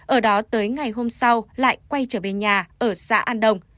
ở đó tới ngày hôm sau lại quay trở về nhà